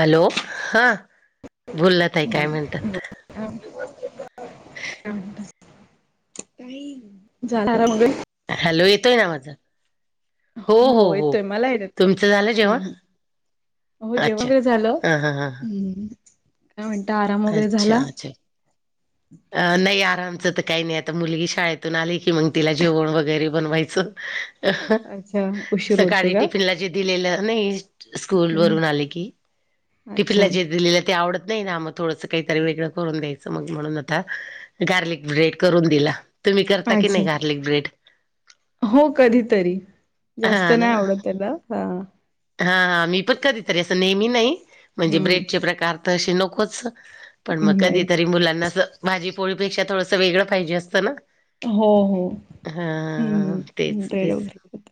Hello हा बोला ताई काय म्हणतात? [unintelligible] [unintelligible] [unintelligible] हॅलो येतोय ना आवाज? हो हो हो येतोय मला येत तुमचं झालं जेवणं? हम्म. हो जेवण वगैरे झालं हम्म काय म्हणता आराम हां वगैरे अच्छा झाला? अच्छा अ नाही आरामच त काही नाही आता मुलगी शाळेतून आली की मंग तिला जेवणं वगैरे बनवायचं अच्छा. उशीर होतो सकाळी का टिफिनला जे दिलेलं नाही, स्कूल वरून आले की. टिफीनला अच्छा जे दिलेलं ते आवडत नाही ना मग. थोडस काहीतरी वेगळं करून द्यायचं मग म्हणून आता गार्लिक ब्रेड करून दिला. तुम्ही करता की अच्छा नाही गार्लिक ब्रेड? हो कधीतरी जास्त नाही आवडत त्याला हा हा हा मी पण कधीतरी असं नेहमी नाही म्हणजे ब्रेडचे हम्म प्रकार तर अशे नकोच पण मग नाही कधी तरी मुलांना अस भाजी पोळी पेक्षा थोडसं वेगळं पाहिजे असतं ना. हो हो हां हम्म तेच ब्रेड तेच. वगैरे खात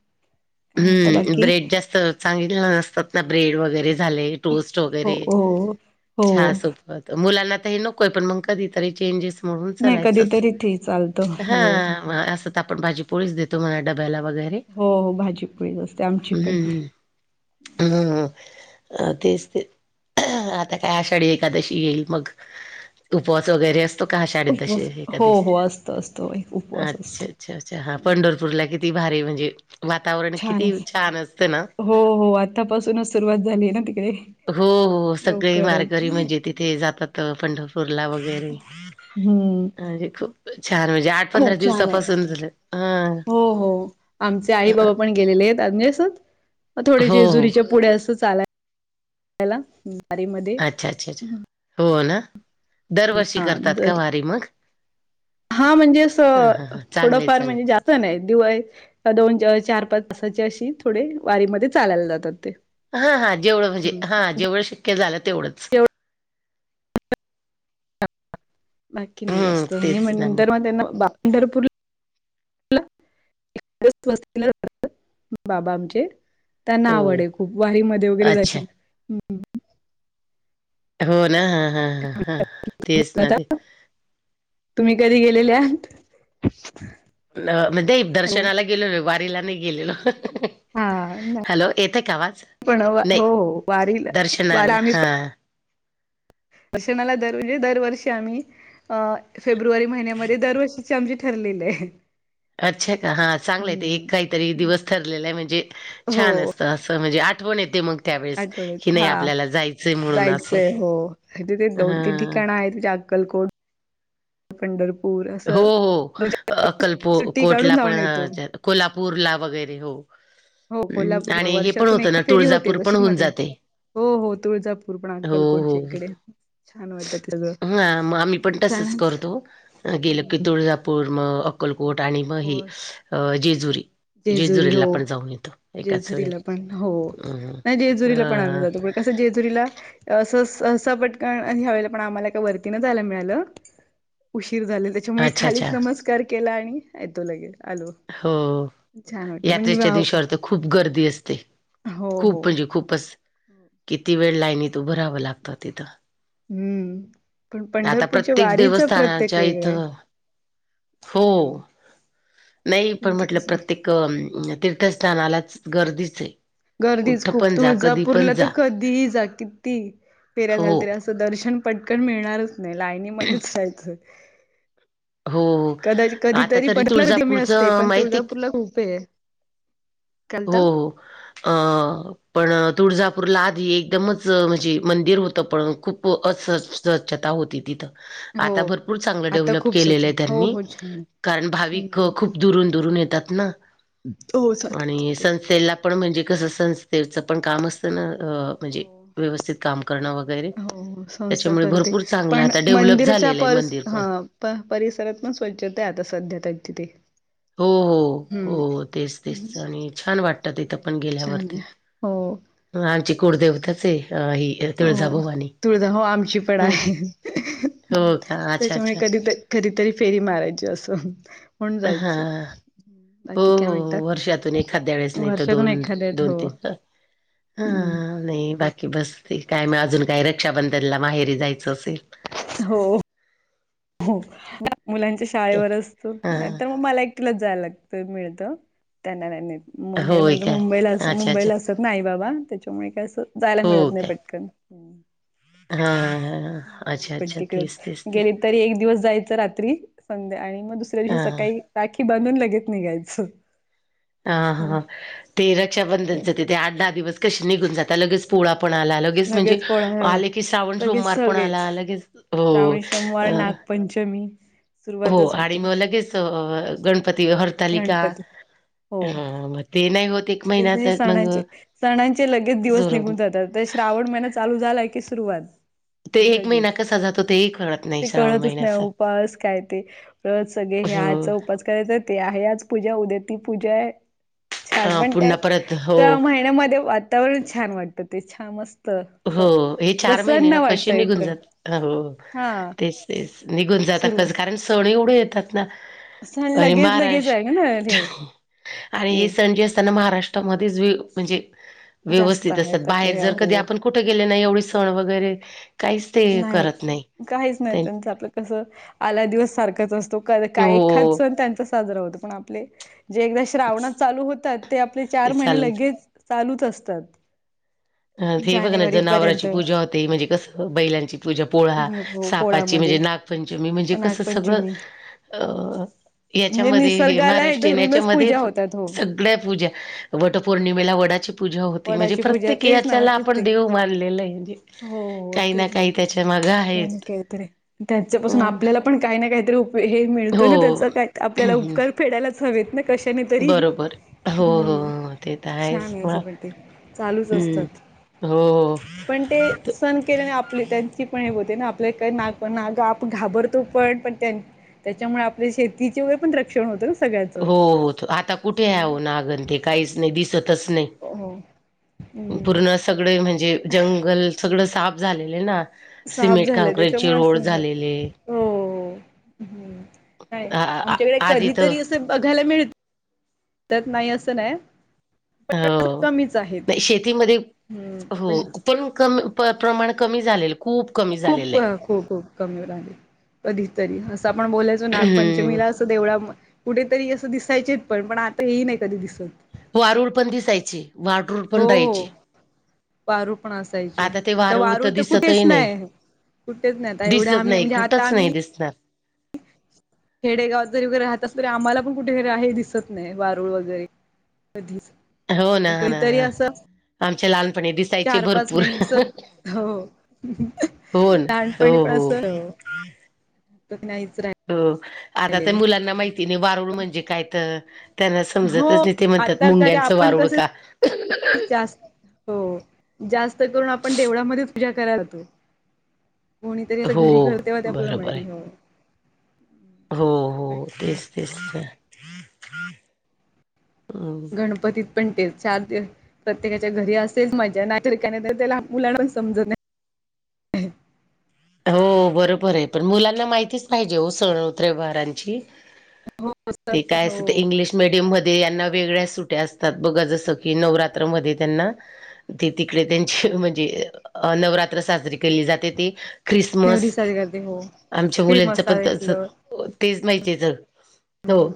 काय म्हणता हम्म बाकी ब्रेड जास्त चांगली नसतात ना ब्रेड वगैरे. झाले टोस्ट हो वगैरे हो हो चहा सोबत मुलांना त हे नकोय पण मग कधी तरी चेंजेस म्हणून नाही चलायस कधीतरी ते चालतं हो हो हां अस त म आपण भाजी पोळीच देतो म्हणा डब्याला वगैरे. हो भाजी पोळीच असते आमची पण. हम्म हम्म. अ तेच ते आता काय आषाढी एकादशी येईल मग उपवा स वगरै असतो का आषाढी दशी उपवास हो एकादशी हो असतो असतो एक ला उपवास असतो. अच्छा अच्छा हां हम्म. पंढर पुरला किती भारी म्हंजे वातावरण छान हो हो आतापासूनच सुरुवात झाली आहे ना तिकडे. हो हो सगळे लवकरच वारकरी म्हणजे तिथे जातात अ पंढरपूरला वगैरे. हम्म. अ म्हजे खूप छान म्हणजे आठ पंधरा खूप छान आहे दिवसापासून जातात हं हो हो आमचे आई बाबा पण गेलेले आहेत [unintelligible] अस थोडे हो हो जेजुरीच्या पुढ्या असं चालाय लायला अच्छा अच्छा अच्छा हो ना दरवर्षी हा करतात तर का वारी मग? हा म्हणजे अस अ हा हा हां चांगलं आहे थोडंफार म्हणजे चांगलं जा स्त नाही दिवा य दोन चार पाच तासाचे अशी थोडे वारीमध्ये चालायला जातात ते. हा हा जेवढं म्हणजे हम्म. हा जेवढं शक्य झालं तेवढंच. बाकी नाही हम्म जास्त नाही तेच मग ना नंतर मग त्यांना पंढरपूर [unintelligible] ला बाबा आमचे. त्यांना आवड हो खूप वारीमध्ये वगैरे अच्छा त्याची हो ना ह ह हा तेच ना आता ते तुम्ही कधी गेलेले आह अ म्हणजे दर्शनाला गेलो र वारीला नाही गेलेलो हा नाही हॅलो येतय का आवाज पण हो नाही हो वारीला वारा दर्शनाला आम्ही हा दर्शनाला दर म्हणजे दरवर्षी आम्ही अ फेब्रुवारी महिन्यामध्ये दरवर्षी च आमचे ठरलेले आहे अच्छा का हां चांगलंय ते एक काहीतरी हम्म दिवस ठरलेला आहे म्हणजे हो छान असत असं म्हणजे आठवण येते मग त्यावेेळेस कि आठवड्यात नाही हा आपल्याला जायचंय म्हणून असं जायचंय हो. तिथे दोन तीन हां ठिकाणं आहे ति अक्कलकोट प पंढरपूर आहे हो हो अक्कलपो काढून कोटला जाऊन येतो. पण कोल्हापूरला वगैरे हो हो हम्म कोल्हापूर आणि हे पण वर्षातून होतं एका ना फेरी होते तुळजापूर पण तशीच होऊन मजा जाते हो हो तुळजापूर पण हो अंक्कलकोटच्या हो इकडे छान वाटतत तझ हां, मग आम्ही पण तसंच करतो गेलं की हम्म तुळजापूर मग अक्कलकोट आणि मग हे हो अ जेजुरी जेजुरी जेजुरीला हो पण जाऊन येतो एकाच जेजुरीला वेळेला. पण हो हं. नाही जेजुरीला पण आम्ही अ, जातो कस जेजुरीला अस सं पटकन ह्यावेला पण आम्हाला का वरतीनं जायला मिळालं उशीर झाले त्याच्यामुळे अच्छा, अच्छा. खालीच नमस्कार केला आणि येतो लगेल आलो हो छान वाटतं पण यात्रेच्या दिवसावर तर खूप गर्दी असते हो खूप हो म्हणजे खूपच किती वेळ लाईनीत उभं राहावं लागतं हम्म पण तिथं आता पंढरपूरच्या प्रत्येक वारीच प्रत्येक देवस्थानाच्या वेगळं आहे इथं हो हम्म नाही पण त्यांचं म्हटलं कसं प्रत्येक तीर्थस्थानालाच गर्दीच आहे गर्दीच कुठं खूप पण जा, तुळजा कधी पुूरला पण तर जा. कधीही जा किती पेऱ्या हो, झाालतरी अस दर्शन पटकन मिळणारच नाही लायनीमध्येच जायचंय हो. कदाच आता कधीतरी तरी पडला कधी मी असते तुळजापूरचं पण माहिती तुळजापूरला खूप आहे हो कालता अ पण तुळजापूरला आधी एकदमच म्हणजे मंदिर होतं पण खूप असं स्वच्छता होती तिथं हो आता भरपूर चांगलं आता डेव्हलप खूप केलेलं सोच आहे हो त्यांनी हो छान आहे कारण भाविक हम्म. खूप दुरून दुरून येतात ना हो [inaudible] ला पण म्हणजे कसं संस्थेचं पण काम असतं ना म्हणजे हो व्यवस्थित काम करणं वगैरे संसार त्याच्यामुळे करते भरपूर चांगलं पण आता डेव्हलप मंदिराच्या झालेलं आहे परस मंदिर पण ह प परिसरात पण स्वच्छता आहे आता सध्या त्या तिथे हो हो हम्म हो तेच तेच आणि छान वाटतात इथं पण छान आहे गेल्यावरती हो आमची कुलदेवता आहे अ ही हो तुळजाभवानी. तुळझा हो आमची पण हं, हं. आहे हो का? अच्छा, त्याच्यामुळे अच्छा. कधी तर कधीतरी फेरी मारायची असं म्हण जायचं हां. हो बाकी काय हो म्हणतात वर्षातून एखाद्या वेळेस नाही तर वर्षातून दोन एखाद्यात दोन हो. तीन ह हा नाही बाकी बस ते काय म अजून काही रक्षाबंधनला माहेरी जायचं असेल हो हो मुलांच्या तर? शाळेवर असतो नाही हां. तर मग मला एक कलं जाय लागत मिळत त्यांनाहेर होय माझं काय? मुंबईला अस अच्छा, अच्छा. मुंबईला असत नाही बाबा त्याच्यामुळे काय असं जायला हो मिळत नाही पटकन, हा हा हा भाऊ पण तिकडेच गेली तरी एक दिवस जायचं रात्री संध्या आणि मग दुसऱ्या दिवशी हां. सकाळी राखी बांधून लगेच निघायचं हा हा, ते ते रक्षाबंधनचं तिथे आठ दहा दिवस कसे निघून जातात. लगेच पोळा पण आला लगे च म्हणजे लगेच पोळा आले की, श्रावण सगळेच सोमवार पण सगळेच आला लगेच हो अ. पंचमी सुरुवातच होते. त गणपती, हरतालिका गणपती हो ह मग ते नाही होत. एक महिन्याच ते मग सणांचे सणांचे लगेच दिवस जोर निघून जातात. तर श्रावण महिना चालू झालाय की सुरुवात, ते एक लगेच, महिना कसा जातो तेही कळत नाही ते श्रावण कळतच नाही. महिन्याचा उपवास काय ते, अ सगळे हे हो आजचा उपवास करायच. ते आहे आज पूजा उद्या ती पूजा आहे. काय ह म्हणताय, पुन्हा परत हो त्या महिन्यामध्ये वातावरण छान वाटतं ते छान मस्त हो हे चार महिने ना प्रसन्न कसे वाटत निघून इकडं जातात हो हा तेच तेच, ते निघून सुरू जातातच कारण सण एवढे येतात ना, सण आणि लगेच लगेच आहे ना महाराष्ट्र हे आणि हे आपले सण जे असतात महारा ष्ट्र मधेच म्हणजे जास्त व्यवस्थित असतात. आहेत बाहेर आपले जर हो कधी आपण कुठे गेले ना. एवढे सण वगैरे काहीच ते नाही. करत काहीच नाही त्यां त्यांचं कस आला दिवस सारखंच असतो. काय एखाद हो सण त्यांचा साजरा होतो. पण आपले जे एकदा श्रावणात चालू होतात ते आपले चार ते महिने चालू लगेच चालूच असतात. अ ते हे बघ ना जानेवारी पर्यंत जनावराची पूजा होते. म्हणजे, कसं बैलांची पूजा पोळा. वैभव सापाची म्हणजे पोळामध्ये नागपंचमी म्हणजे कसं सगळं नागपंचमी अ म्हणजे याच्यामध्ये हे निसर्गाला महाराष्ट्रीयन धरूनच याच्यामध्ये पूजा होतात फक्त हो सगळ्या पूजा वटपौर्णिमेला वडाची पूजा होती म्हणजे वडाची प्रत पूजा तेक तेच ना हाच्याला आपण ते देव मानलेलं आहे. म्हणजे हो काही ना तेच काही त्याच्या मागं आहेत. त्याच्यापासून आपल्याला पण काही ना काहीतरी उप हे मिळत ना त्याच हो. काय आपल्याला उपकार फेडायलाच हवेत ना कशा ने तरी बरोबर. हो, हो, हम्म हो. ते तर छान आहेच आहे मग. हेचपण चालूच असतात. हं. हो, पण ते हो. सण केलेने आपली त्यांची पण हे होते ना. आपल्या काय नाग पण नाग आपण घाबरतो पण पण त्यां त्याच्यामुळे आपल्या शेतीचे वे पण रक्षण होत. हो हो आता कुठे आहे हो नागं आण ते काहीच नाही दिसतच नाही. हो हो हम् पूर्ण सगळे म्हणजे जंगल सगळं साफ झालेले ना. साप सिमेंट झालाय काँक्रेट चे त्याच्यामुळे रोड असं हो झालेले, हो काय आ आ आमच्याकडे आधी तर कधीतरी, बघायला मिळत्यात नाही असं नाही. हो कमीच आहेत नाही. शेतीमध्ये हम्म तर हो, पहिला पण कमी प्रमाण कमी झालेल. खूप खूप खूप कमी होऊन राहिले. कधी तरी असं आपण बोलायचो हं. नागपंचमीलाच देवळात म्हण कुठेतरी असं दिसायचेच पण पण आता हे नाही कधी दिसत. वारूळ पण दिसायची. वारुळ पण हो हो राहायची. वारूळ पण असायचे. आता वारूळ तर कुठेच नाही. कुठेच नाही. आता एवढं दिसत आम्ही नाही म्हणजे आता कुठंच नाही आम्ही दिसणार खेडेगाव जरी वगैरे राहत असतील तरी आम्हाला पण कुठेतरी हे दिसत नाही व वारूळ वगैरे कधी च हो ना ना ना आमच्या लहानपणी दिसायचे चार पाच भरपूर महिने अस हो होन हो लहानपणी हो मग नाहीच राहिल हो आता तर मुलांना माहिती नाही वारुळ म्हणजे काय तर, त्यांना हो समजतच नाही. ते म्हणतात आता काय मुंग्यांचं आपण वारूळ का कसं हो जास्त करून आपण देवळामध्येच पूजा करायला होतो. कोणीतरी अस हो घरी घरतेवा आपल्याला बरोबर आहे माहिती हो हो तेच तेच गणपतीत पण ते चार दिवस त्यकाच्या घरी असेच मजा नाही त्याला मुलाना समज नाही हो बरोबर आहे पण मुलांना माहितीच पाहिजे हो सण उतरे वहारांची हो ते काय असतं तर हो इंग्लिश मिीडियममध्ये यांना वेगळ्या सुट्या असतात बघा जसं की नवरात्रमध्ये त्यांना ते तिकडे त्यांची म्हणजे अ नवरात्र साजरी केली जाते ती ख्रिसमस नेवरी साजरी करते हो आमच्या ते मुलांचं पण मसाले तसं आपलं हो तेच माहिती तर हो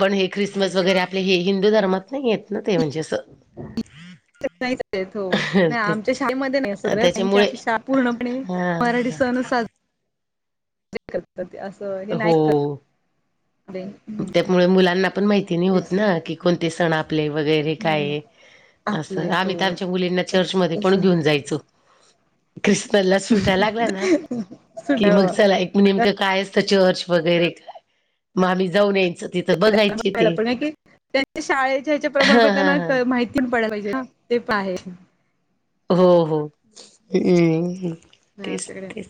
पण हे ख्रिसमस वगैरे आपले हे हिंदू धर्मात नाही आहेतेत ना ते म्हणजे अस आमच्या शाळेमध्ये नाही त्याच्यामुळे आची श पूर्णपणे हा मराठी सन सजरी असल हो त्यामुळे मुलांना पण माहिती नाही होत ना की कोणते सण आपले वगैरे हम्म काय आपले असं हो आम्ही तर आमच्या मुलींना चर्चमध्येध्ये तस पण घेऊन जायचो क्रष्णनला सुटायला लागला ना की मग सुटावं चला एक म नेमकं काय चर्च वगैरे काय मग आम्ही जाऊन यायचं तिथं बघायचे घ ते पण त्यांच्या शाळेच्याच्या प्रमाण हा पण हा हा त्यांना माहिती [inaudible] हो होतेच तेच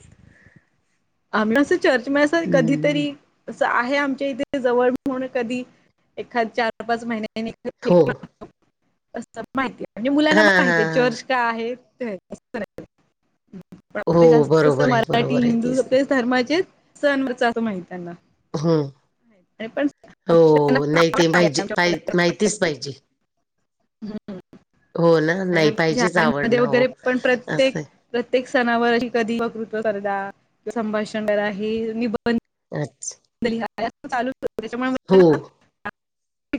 आम असं चर्च मं हम्म कधीतरी आहे आमच्या इथे जवळ म्हणून कधी एखाद चार पाच महिन्या हो असं माहितीय म्हणजे मुलांना हा हा माहितीय हा चर्च का आहे ते अस पण आपले हो जास्त अस बरोबर आहे मराठी बरोबर आहे हिंदू तेच ना आपलेच धर्माचेच सण असं माहित त्यांना हम्म. आणि पण हो त्यांना पण नाही आवड ते आहे पाहिजे माहितीच आमच्या पाहिजे हो ना आणि नाही आमच्या पाहिजेच आवड शाळेमध्ये ना हो वगैरे पण प्रत्येक असं प्रत्येक सणावर कधीकृत संभाषण करा निध अच्छा चा त्याच्यामुळे हो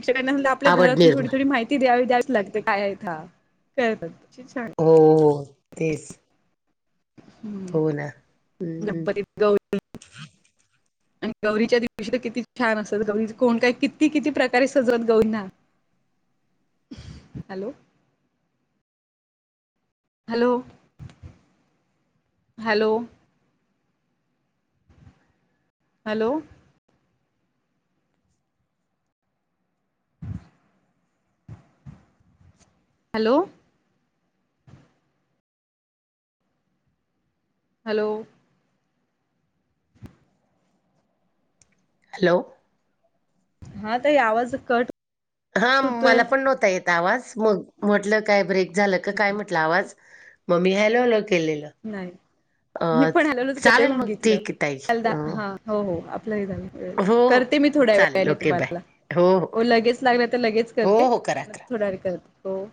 शिक्कांना आपल्या आवड घरातून थोडी निर्माण थोडी माहिती द्यावी द्यावीच लागते काय हतात छान हो हो तेच ह् हो ना हम्म गणपती गौ आणि गौरीच्या दिवशी तर किती छान असत गौरी कोण काय किती किती प्रकारे सजवत गौरीना हॅलो हॅलो हॅलो हॅलो ह हॅलो हॅलो हॅलो हा तर यावच कट हा होतोय मला पण नव्हता येत आता आवाज मग म्हटलं काय ब्रेक झालं का काय म्हटलं आवाज मम्मी हॅलोलो केलेलं नाही मी अ पण हॅलोच करते चालेल म्हणून मग घेतलं. ठीक हाय हलदा ताई हा हो हो आपलंही झालं हो, हो. करते मी थोड्या चालेल वेळाने ओके बाय. तुम्हाला हो लगेच लागलं तर लगेच हो, करते हो. करा, मग करा. थोड करते हो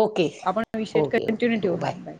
ओके. आपण विषय ओके, कंटिन्यू ओके. ठेवू हो ह बाय